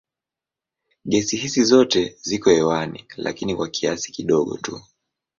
Gesi hizi zote ziko hewani lakini kwa kiasi kidogo tu.